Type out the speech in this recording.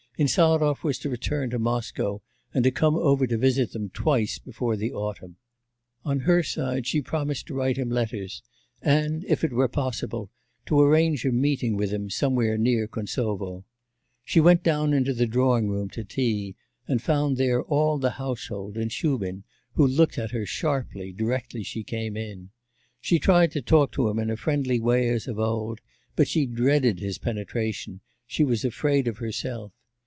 Insarov was to return to Moscow and to come over to visit them twice before the autumn; on her side she promised to write him letters, and, if it were possible, to arrange a meeting with him somewhere near Kuntsov. She went down to the drawing room to tea, and found there all the household and Shubin, who looked at her sharply directly she came in; she tried to talk to him in a friendly way as of old, but she dreaded his penetration, she was afraid of herself.